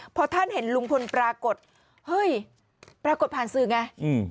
พอท่านเห็นลุงพลปรากฏเฮ้ยปรากฏผ่านสื่อไงอืม